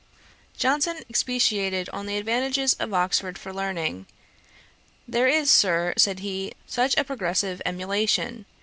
Johnson expatiated on the advantages of Oxford for learning. 'There is here, Sir, (said he,) such a progressive emulation.